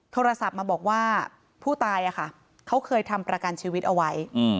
โทรศัพท์มาบอกว่าผู้ตายเขาเคยทำประกันชีวิตเอาไว้